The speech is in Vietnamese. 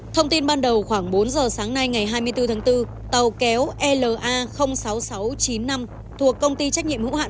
thông tin ban đầu khoảng bốn giờ sáng nay ngày hai mươi bốn tháng bốn tàu kéo la sáu nghìn sáu trăm chín mươi năm thuộc công ty trách nhiệm hữu hạn